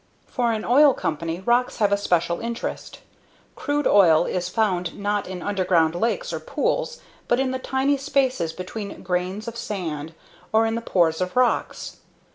For an oil company, rocks have a special interest. Crude oil is found not in underground lakes or pools but in the tiny spaces between grains of sand or in the pores of rocks.